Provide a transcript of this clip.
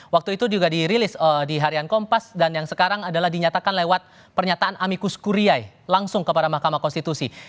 waktu itu juga dirilis di harian kompas dan yang sekarang adalah dinyatakan lewat pernyataan amikus kuriyai langsung kepada mahkamah konstitusi